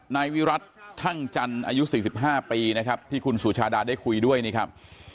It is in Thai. นายวิรัติทั่งจันทร์อายุ๔๕ปีนะครับที่คุณสุชาดาได้คุยด้วยนี่ครับ